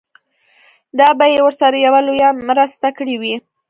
دا به يې ورسره يوه لويه مرسته کړې وي.